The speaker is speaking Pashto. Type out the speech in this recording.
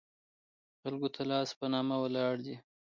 خلکو ته لاس په نامه ولاړ دي.